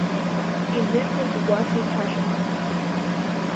Иныҳәоит угәаҵа иҭашәаҳәо…